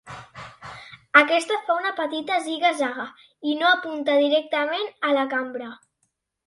Aquest fa una petita ziga-zaga i no apunta directament a la cambra.